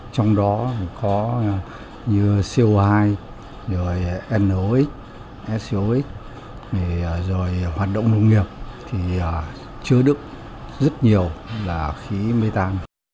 trong đó có như co hai rồi nox sox rồi hoạt động nông nghiệp thì chứa đựng rất nhiều là khí mê tan